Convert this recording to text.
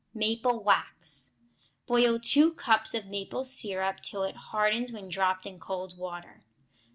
Maple Wax Boil two cups of maple syrup till it hardens when dropped in cold water.